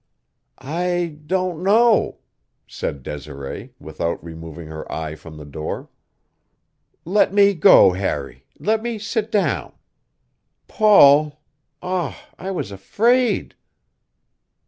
"I don't know," said Desiree without removing her eyes from the door. "Let me go, Harry; let me sit down. Paul! Ah! I was afraid."